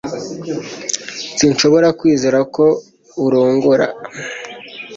Sinshobora kwizera ko urongora